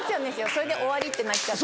それで終わりってなっちゃって。